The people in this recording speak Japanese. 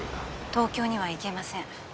東京には行けません